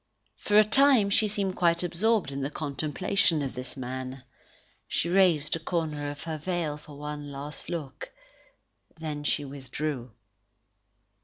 For a time, she seemed quite absorbed in the contemplation of this man. She raised a corner of her veil for one last look. Then she withdrew.